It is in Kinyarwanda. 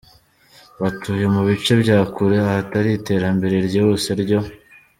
batuye mu bice bya kure ahatari iterambere ryihuse ryo.